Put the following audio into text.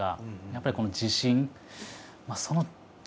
やっぱりこの自信。